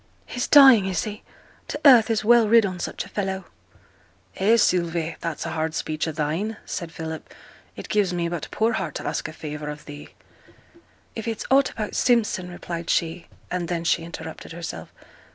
'He's dying, is he? t' earth is well rid on such a fellow!' 'Eh, Sylvie, that's a hard speech o' thine!' said Philip; 'it gives me but poor heart to ask a favour of thee!' 'If it's aught about Simpson,' replied she, and then she interrupted herself.